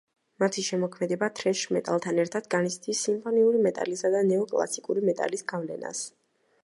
მათი შემოქმედება თრეშ მეტალთან ერთად განიცდის სიმფონიური მეტალისა და ნეო-კლასიკური მეტალის გავლენას.